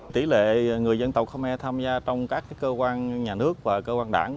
tỷ lệ người dân tộc khô me tham gia trong các cơ quan nhà nước và cơ quan đảng